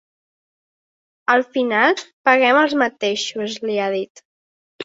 Al final paguem els mateixos, li ha dit.